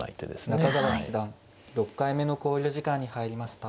中川八段６回目の考慮時間に入りました。